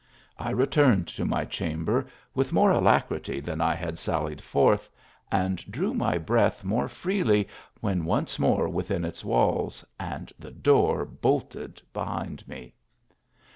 I returned to my chamber with more alacrity than I had saliied forth, and drew my breath more freely when once 6i THE ALHAMBRA. more within its walls, and the door bolted behind me.